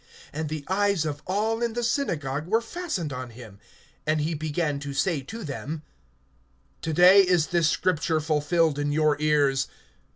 And the eyes of all in the synagogue were fastened on him. (21)And he began to say to them: To day is this scripture fulfilled in your ears.